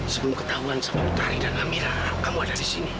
sebelum ketahuan sama tari dan amira kamu ada di sini